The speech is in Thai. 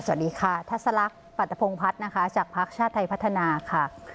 สวัสดีค่ะทัศลักษณ์ปัตภพงพัฒน์นะคะจากภาคชาติไทยพัฒนาค่ะ